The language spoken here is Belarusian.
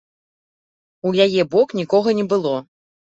У яе бок нікога не было.